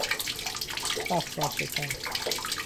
صفرا شکن